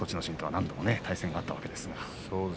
心とは何度も対戦があったわけですが。